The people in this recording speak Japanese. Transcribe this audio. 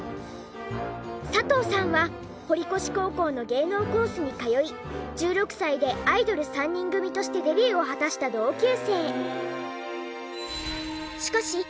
佐藤さんは堀越高校の芸能コースに通い１６歳でアイドル３人組としてデビューを果たした同級生。